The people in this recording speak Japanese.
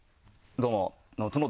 「どうも」